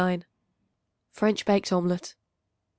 French Baked Omelet.